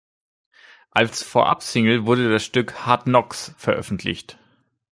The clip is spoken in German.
Als Vorabsingle wurde das Stück "Hard Knocks" veröffentlicht.